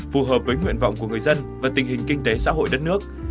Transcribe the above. phù hợp với nguyện vọng của người dân và tình hình kinh tế xã hội đất nước